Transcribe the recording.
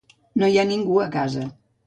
No hi ha ningú a casa.